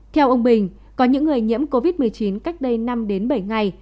theo ông bình có những người nhiễm covid một mươi chín cách đây năm đến bảy ngày